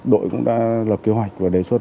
đội cũng đã lập kế hoạch và đề xuất